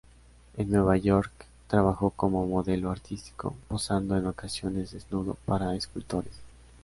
En Nueva York trabajó como modelo artístico, posando en ocasiones desnudo para escultores.